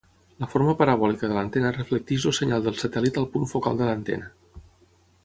La forma parabòlica de l'antena reflecteix el senyal del satèl·lit al punt focal de l'antena.